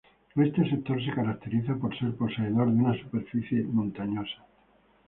Este sector se caracteriza por ser poseedor de una superficie montañosa.